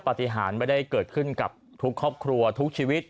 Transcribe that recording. ปฏิหารไม่ได้เกิดขึ้นกับทุกครอบครัวทุกชีวิต